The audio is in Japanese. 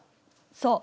そう。